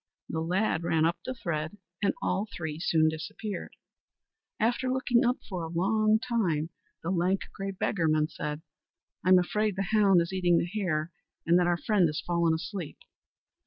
The lad ran up the thread, and all three soon disappeared. After looking up for a long time, the lank, grey beggarman said, "I'm afraid the hound is eating the hare, and that our friend has fallen asleep."